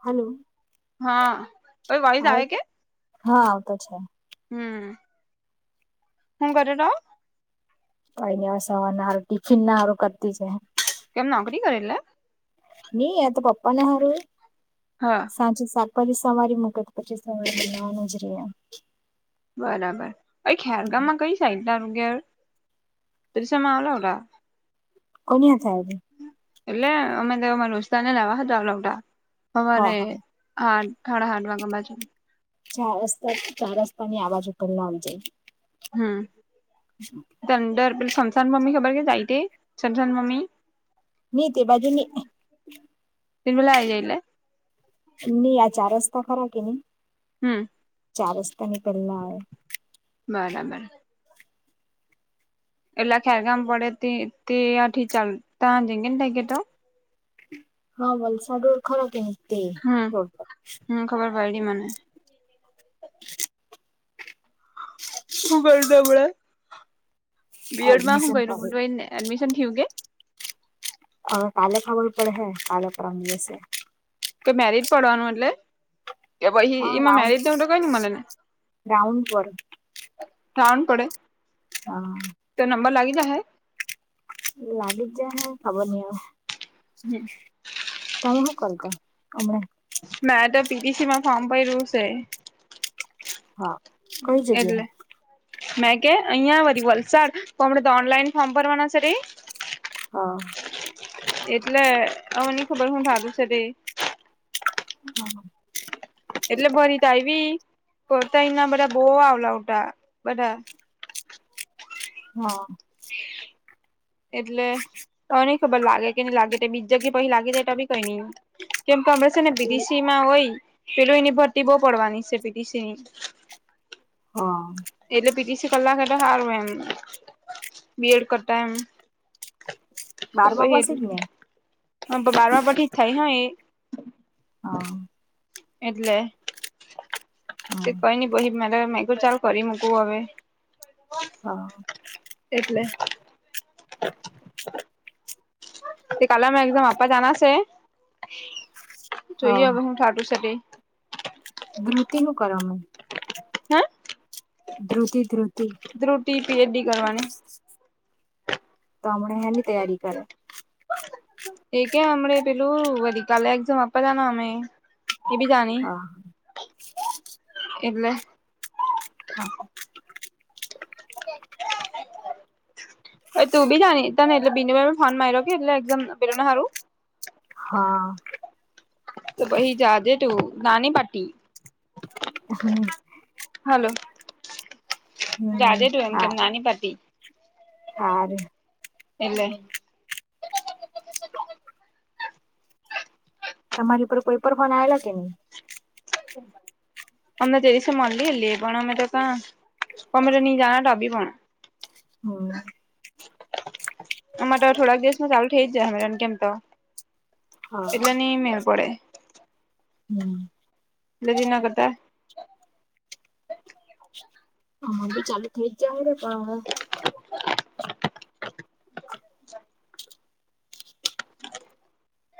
હ હલો. હા કોઈ વોઇસ આવે છે હા આવતો છે. હમ્મ હુ [unintelligible] અહીંયા સવાર ના હારુ ટિફિન ના સારું કરતી છે. કેમ નોકરી કરે એટલે? નહી આ તો પપ્પા ના હારું હે હા સાંજે શાકભાજી સવારી મૂકે પછી સવારે બનાવાનું જ રે એમ બરાબર અ ખેરગામમાં કઈ સાઈડ ના [unintelligible] કોની હાથે આવે? એટલે અમે તો અમારે દોસ્તાર ને લાવવા હતા [unintelligible] હા અમારે હા હા સાડા આઠ વાગે બાજૂ ચાર રસ્તા ચાર રસ્તા ની આબાજુ ઉપર ના આવે જાય. [unintelligible] મમ્મી ખબર કે, જાય છે. [unintelligible] મમ્મી નહીં તે બાજુ નહીં તે પેલા આવી જાય એટલે નઈ આ ચાર રસ્તા ખરા કે નહી? હમ્મ ચાર રસ્તા ની પેલ્લા આવે. બરાબર. એટલા ખેરગામ પડે તે તેથી ચાલતા હ જંગેન તેગે તો હા, વલસાડુર ખરા તે હે. હમ્મ, હમ્મ ખબર પડી મને. હું કરે તો આપડે, બી એડ માં હું એડમિશન પર હવે કર્યું એ એડમિશન થિયું કે? હા, કાલે ખબર પડે હે. કાલે પરમ દિવસે. કે મેરિટ પડવાનું એટલે કે પહી હા એમાં રાઉન્ડ મેરિટ ન કઈ ને મલે ને રાઉન્ડ પર રાઉન્ડ પડે. હા. તે નંબર લાગી જશે? લાગ જાય હૈ. ખબર નહી અવે. હમ! તમે હુ કર્યો હમને? મેં તો પીટીસી માં ફોર્મ ભરહ્યું છે. હા! કઈ જગ્યા? એટલે મેં કે? અહિયાં વારી વલસાડ. તો હમણા તો ઓનલાઈન ફોર્મ ભરવાના છે રે. હા! એટલે અમને ખબર હું ભાવું છે તે. [unintelligible] એટલે ભરીતા આવી, કરતા ના બધા બો આવલાવતાા બધા. હા! એટલે. અને ખબર લાગે કે નહી. લાગે બી જગ્યા પછી, લાગીાયી કઈ નઈ. કેમ કે અમ ને પીટીસી. માં હોય, પેલો એની ભરતી બહુ પડવાની છે. પીટીસીની હા! એટલે પીટીસી કર લાકે એટલે સારું એમ. બી એડ કરતા એમ. બારમા પાસે જ ને તો બારમાં પછી થાય ન એમ? હા! એટલે. હા કંઈ નહીં. બ મે તો ચલો કરી મુંકુ અવે. હા! એટલે. તે કાલેમાં એકદમ આપવા જના છે. જોઈએ હવે હું છાટું સટી. ધૃતિ હું કરવામાં? હે ધ્રુતિ ધ્રુતિ. ત્રુટી પીએડી કરવાની તો હમણા એની તૈયારી કરે. એ કે હમડે પેલું વરી કાલે એક્ઝામ આપવા જાના અમે એ બી જાની હા એટલે. હા. તું બી જા એટ બ ફોન માર્યો કે એટલે એમ સારું. હા. તો હીજાજેટું નાનહી પાડતી. હમ. હલો હમ જાદે ટું એમ કે હા નાનહી પાડડતી. હારે. એટલે. તમારી ઉપર કોઈ પર બનાવેલા કે નહી. અમને તેરીસ મળરલી લે પના મેમે તો ત નની જાના ડબી પાણા. હમ. આમા તો થોડાક દિવસ માં ચાલુ કેમ તો હા એટલે નહિ મેડ પડે. હમ. અલે જીના કરતા. હા બી ચાલુ થઇ જવાનુ પણ.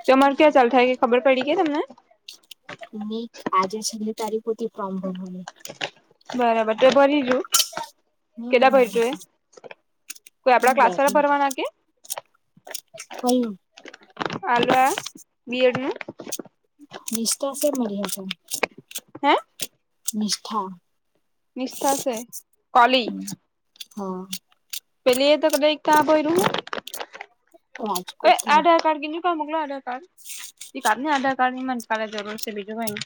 તો અમાર ક્યાં ચાલ થાય કે ખબર પડી ગયા તમને. આજે છેલ્લી તારીખ. ફોર્મ ભરવાની બરાબર તે ભરી રયુ કેટલા ભર્યું એ [unintelligible] કોઈ આપડા ક્લાસ વાલા ભરવા ના કે. કોઈ ની આલઆ બી એડ નું? નિષ્ઠાશે મરી હતા. હે? નિષ્ઠા નિષ્ઠા સે કોલી? હમ, હા પેલી એ તો કતા ભય રું એ રાજકોટ થયો. આધાર કાર્ડ કીજું ક મોકલો આધાર. કાર્ડ ને આધાર કાર્ડની મને કાલે જરૂર છે બીજું કઈ ની.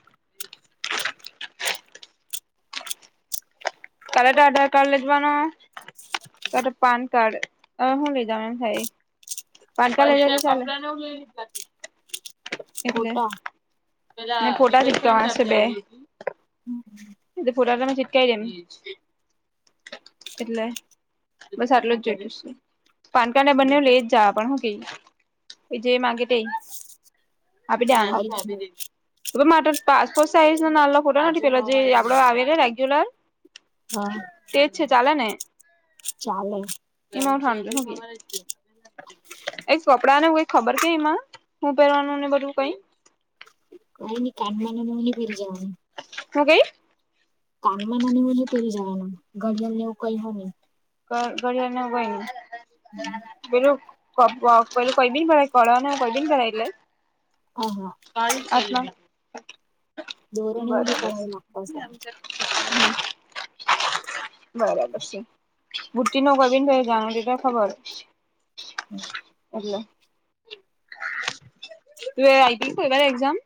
કાલે તો આધાર કાર્ડ લે જવાનો. કા તો પાન કાર્ડ હું લઈ જવાનું થાય? પાનકાર્ડ લઈ ફોટા જવાનું ચાલે. એટલે ફોટા ને ફોટા ચિપકાવવાના છે બે. હમ હમ ઈ ત ફોટા તમે ચિપકાવી દેવાના ઇજ એટલે બસ આટલું જ જોયએ છે. પાનકાર્ડ ને બંને લઈ જ જાવા પણ હું કે ઈ જે માંગે તે. આપી હરી દેવાનો પાસપોર્ટ સાઈઝના નાના ફોટા નથી પેલા જે આપણો આવે છે રેગ્યુલર હા તેજ છે ચાલેને? ચાલે નોટ હમજી હું કે એ કપડાં ને કઈ ખબર કે એમાં હું પહેરવાનુંને બધું કઈ? કાઈ ની કાનમાં ને નુલી પેરી જવાની. હું કઈ? કાનમાં નાની ઓલી પેરી જવાના ઘડિયાળ ને એવું કઈ હોય. ઘડિયાળ ને એવું કંઈ નહીં? હમ પેલું કડાને કે બી કરાયેલું કડા ને એવું કઈ બી કરાઈલે. હા હા [inaudible] દોરો ને એવું બી બરાબર. કરાવી નાખતાશે હહ બરાબર સે. બુટીનો વજન કઈ જાને દી તો ખબર એટલે તુ હે આઈપીતી કોઈ એક્ઝામ?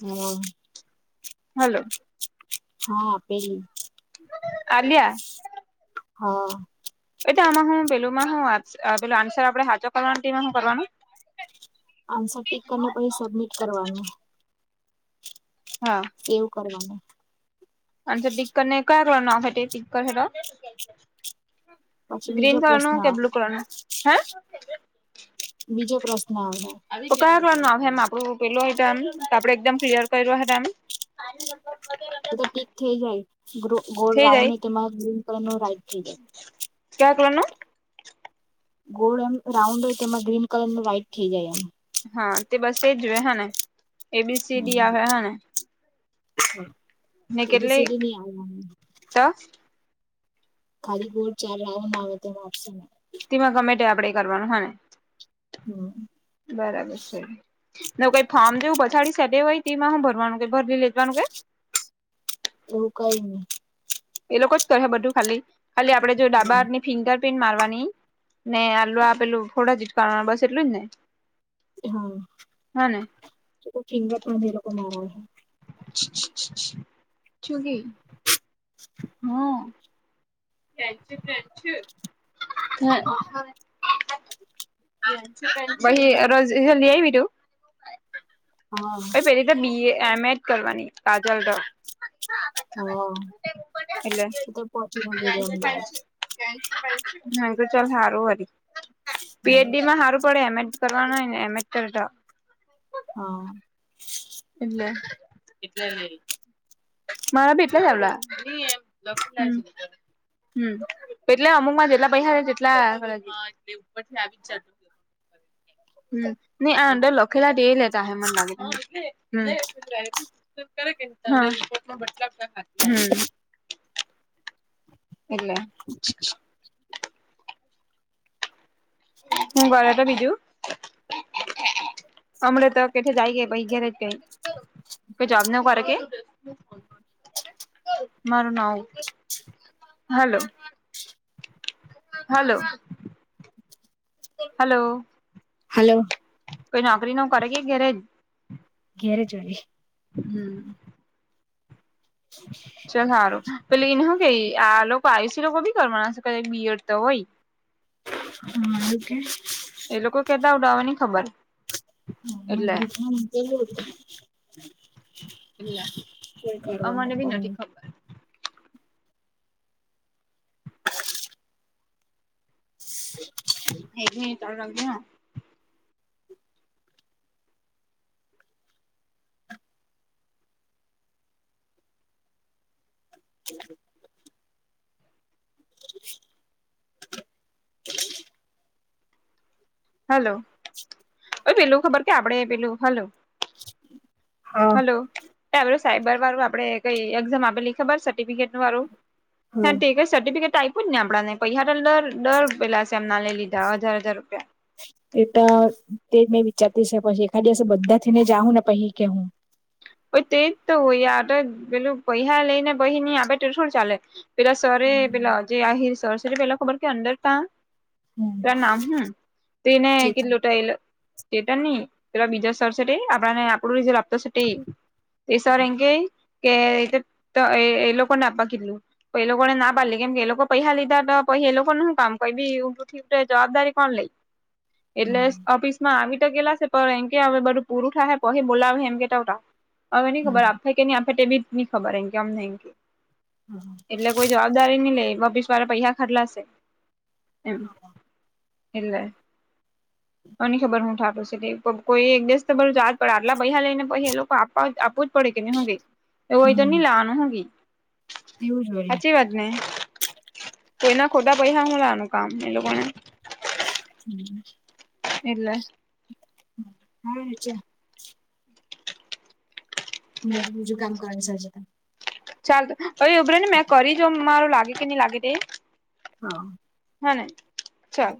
હા હલો હા પેલી આલિયા હા એતો આમાં હું પેલુંમાં હું પેલું આન્સર આપણેે હાચો કરવાનું તેમાં હું કરવાનું? આન્સર ટીક કરીને પછી સબમિટ કરવાનું હા એવું કરવાનું. આનસર ટીક કરીને કયા કરવાના આન્સર ટીક કરશે તો પછી બીજો ગ્રીન પ્રશ્ન કલરનું કે આવે બ્લુ કલરનું? હે? બીજો પ્રશ્ન હવે. તો કયા કલરનો આવે એમ આપડું પેલું એમ આપડે એકદમ ક્લિયર કર્યો હે તેમ. એતો ટીક થઈ જાય. ગોળ થઈ રાઉન જાય હે તેમાં ગ્રીન કલરનો રાઈટ થઈ જાય. ક્યા કલરનું? ગોળ એમ રાઉન્ડ હોય તેમાં ગ્રીન કલરનું રાઇટ થઈ જાય એમ. હા તે બસ તેજ રહેને એબીસીડી આવે હે ને. નાં ને કેટલી એબીસીડી ની આવે આમાં. તો. ખાલી બોડ ચાલે આવે ના [unintelligible] તેમાં ગમે તે આપણે કરવાના હને. હમ્મ. બરાબર છે ને કઈ ફાર્મ જેવું પછાડી સેટે હોય તેમાં હું ભરવાનું ભરી લે જવાનું કે. એવું કઈ નહી. એ લોકો જ કરે બધું ખાલી ખાલી આપડે જો ડાબા ની ફિંગર પ્રિન્ટ મારવાની ને આલુ આ પેલું ફોડા [unintelligible] બસ એટલું જ ને. હા હને પેલુ ફિંગર પણ એ લોકો મારા [unintelligible] છું છું છું છું શું કે. હા. [inaudible] બહી રોજ [unintelligible] આવવી તું. હા. પહી પેલી બી એ એમ એડ કરવાની આગળ તો. હા એટલે એ ત પહોંચીને ગેલી અમદાવાદ. મેં કીધું ચાલ સારું વારી પી એચ ડી માં સારું પડે એમ કરવાનો હોય એમ એડ કરે તો. હા. એટલે એટલે [unintelligible] મારા બી એટલ જ આવેલા. હમ્મ એટલે અમુકમાં જેટલા પૈસા [unintelligible] તેટલા ઉપરથી આવી ચાલ. હમ્મ નહી આ અંદર લખેલા લેતા હ મને લાગે. [inaudible] એટલે. હું કરે તો બીજું. [inaudible] હમણાં તો કેઠ જાય [unintelligible] પછી ઘેરે જ કઈ. કઈ જવાબ કે એવું નહિ કરે કે. મારો નાવુ હાલો. Hello hello. હલો. કોઈ નોકરી નો કરે કે ઘેરે? ઘેરે જવડી. હમ્મ. ચલ હારુ પહેલી ને હું કેય આ લો પાયુસી લોકો બી કરવાના બીયડ તો ઓય. હા એવું કે. એ લોકો કહેતા હુતા હવે નહી ખબર. હા મે એટલે ગ્રુપમાં મૂકેલું કોઈ અમને કરવામાં બી કોને નથી ખબર [unintelligible] ચાલુ રાખજે હા. [unintelligible] હલો. ઓય પેલું ખબર કે આપડે પેલું હલો હા હલો. તે આપડે સાયબર વાળું આપડે કઈ એક્ઝામ આપેલી ખબર સર્ટિફિકેટ વાળું હા [unintelligible] સર્ટિફિકેટ આપ્યું જ ને આપડા ને પર ડર ડર પેલા સેમ ના લઈ લીધા હજાર હજાર રૂપિયા. એ તો તે મેં વિચારતી છે પછી એખા દિવસે બધા ને જાઉં ને પછી કે હું. ઓય તેજ તો હોય આ તો પેલું પૈસા લઈને પાહિ ની આપે એવું થોડી ના ચાલે. પેલા સરે પેલા જે આહીર સર છે પેલા ખબર કે અંદર તાં. હમ પેલા નામ હું તને ચેતન કલું ટાઈલ તે તો ની પેલો બીજો સર છે તે આપણા ને આપણુ રિઝલ્ટ આપતો શે તે. તે સર એ કે કે એ લોકોને આપવા કધલું. તો એ લોકો ને ના પાડેલી કેમ કે એ લોકો પૈહા લીધા તો પહી એ લોકોનુ હું કામ કઈ બી એવુ તો ઠીક. જવાબદારી કોણ લે. એટલે હા ઓફિસમાં આવી તો ગેયલા છે પણ એમ કે હવે બધું પૂરું થા પહી બોલાવે એમ કેતા હુતા. હવે ની ખબર હમ આપે હે કે ની આપે તે બી ની ખબર એનકે અમને હા એટલે કોઈ. જવાબદારી ની લે ઓફિસવાળા પૈસા ખાદલાશે એમ. એટલે અનેની ખબર હું થઠાપું છ કોઈ એક દિવસ તો બર જાત પર આટલા પૈહા લઈને પહી એ લોકો આપ આપુ જ પડે કે ન હું કે એવુ હોય તો હમ ની લેવાનું હું કે તેવું જ વળી. હાચી વાત હમ્મ કોઈના ખોટા પૈહા લેવાનું કામ એ લોકોને. [inaudible] એટલે. હા છે. મેળ બીજું કામ કરવાની છે આજે. ચાલ ઓય ઓભી રેને ને મેં કરી જોમ મારું લાગે કે નહી લાગે તે. હા. હા ન ચાલ.